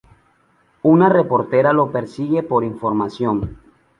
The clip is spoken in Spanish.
Una reportera lo persigue por información.